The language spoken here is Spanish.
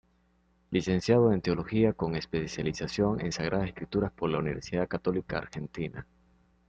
Licenciado en Teología con especialización en Sagradas Escrituras por la Universidad Católica Argentina.